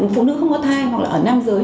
phụ nữ không có thai hoặc là ở nam giới